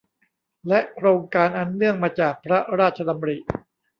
และโครงการอันเนื่องมาจากพระราชดำริ